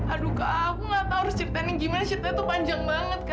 aduh kak aku nggak tahu harus ceritain ceritanya panjang banget